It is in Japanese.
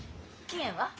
期限は？